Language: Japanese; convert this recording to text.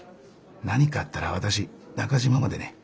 何かあったら私中島までね。